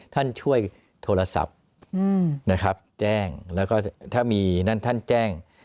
โทรศัพท์แจ้งแล้วก็ถ้ามีท่านแจ้ง